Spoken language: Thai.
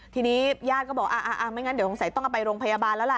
ทีนี้ญาติก็บอกไม่งั้นเดี๋ยวตังจะต้องไปโรงพยาบาล